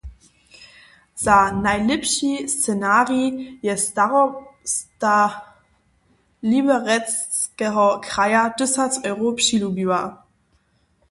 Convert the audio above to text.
Za najlěpši scenarij je starosta Liberecskeho kraja tysac eurow přilubił.